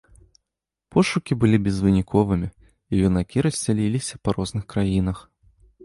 Пошукі былі безвыніковымі, і юнакі рассяліліся па розных краінах.